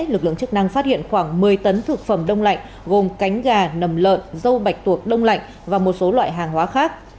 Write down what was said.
lực lượng chức năng phát hiện khoảng một mươi tấn thực phẩm đông lạnh gồm cánh gà nầm lợn dâu bạch tuộc đông lạnh và một số loại hàng hóa khác